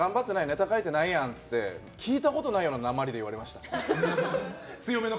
ネタ書いてないやんって聞いたことないようななまりで言われました。